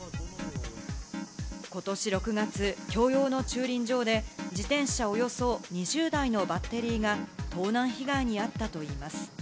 ことし６月、共用の駐輪場で自転車およそ２０台のバッテリーが盗難被害に遭ったといいます。